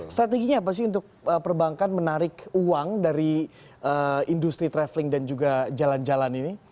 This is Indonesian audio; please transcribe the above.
strateginya apa sih untuk perbankan menarik uang dari industri traveling dan juga jalan jalan ini